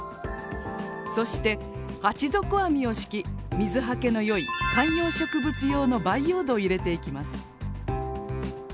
そして鉢底網を敷き水はけの良い観葉植物用の培養土を入れていきます。